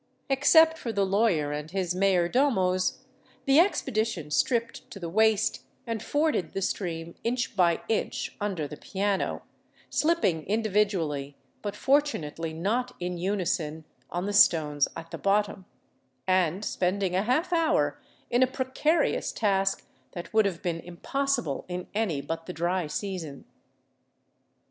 Except for the lawyer and his mayordomos, the expedition stripped to the waist and forded the stream inch by inch under the piano, slipping individually, but fortunately not in unison, on the stones at the bottom, and spending a half hour in a precarious task that would have been impossible in any but the dry season.